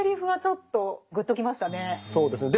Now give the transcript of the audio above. そうですね。